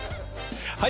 はい。